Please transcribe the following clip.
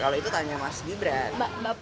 kalau itu tanya mas gibran